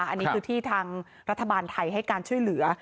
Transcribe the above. อันนี้คือที่ทางรัฐบาลไทยให้การช่วยเหลือ